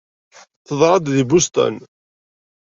Teḍra-d di Boston.